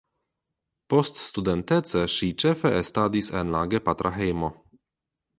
Poststudentece ŝi ĉefe estadis en la gepatra hejmo.